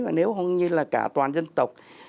và nếu không như là cả toàn dân tộc